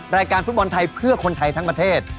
รายการฟุตบอลไทยเพื่อคนไทยทั้งประเทศ